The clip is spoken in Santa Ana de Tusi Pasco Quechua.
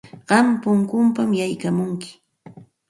Qam punkunpam yaykamunki.